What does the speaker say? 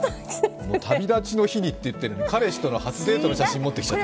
旅立ちの日にと言ってるのに彼氏との写真、持ってきちゃった。